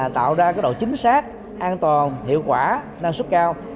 tạo ra độ chính xác an toàn hiệu quả năng suất cao